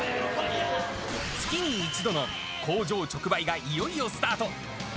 月に１度の工場直売がいよいよスタート。